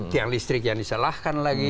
tiang listrik yang disalahkan lagi